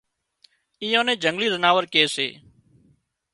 ايئان نين جنگلي زناور ڪي سي